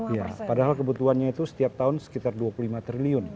iya padahal kebutuhannya itu setiap tahun sekitar dua puluh lima triliun